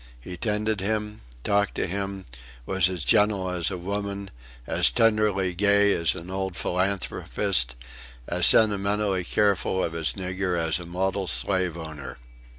He tended him, talked to him; was as gentle as a woman, as tenderly gay as an old philanthropist, as sentimentally careful of his nigger as a model slave owner.